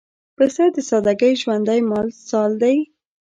پسه د سادګۍ ژوندى مثال دی.